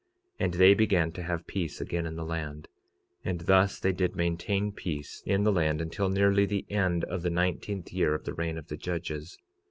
46:37 And they began to have peace again in the land; and thus they did maintain peace in the land until nearly the end of the nineteenth year of the reign of the judges.